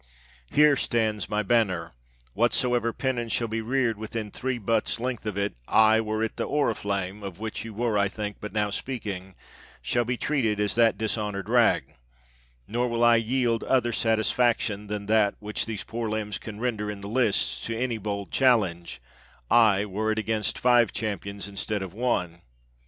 Here stands my banner — whatsoever pennon shall be reared within three butts' length of it — aye, were it the oriflamme, of which you were, I think, but now speaking, shall be treated as that dishonored rag; nor will I yield other satisfaction than that which these poor limbs can render in the lists to any bold chal lenge — aye, were it against five champions instead of one."